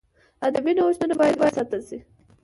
ادبي نوښتونه باید وستایل سي.